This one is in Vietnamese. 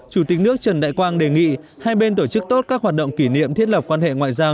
chủ tịch nước trần đại quang đề nghị hai bên tổ chức tốt các hoạt động kỷ niệm thiết lập quan hệ ngoại giao